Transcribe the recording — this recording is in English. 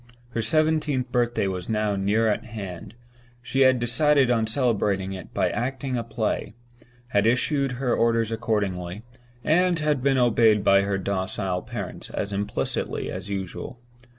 Her seventeenth birthday was now near at hand; she had decided on celebrating it by acting a play; had issued her orders accordingly; and had been obeyed by her docile parents as implicitly as usual.